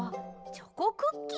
チョコクッキー？